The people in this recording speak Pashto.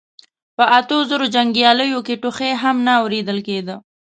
په اتو زرو جنګياليو کې ټوخی هم نه اورېدل کېده.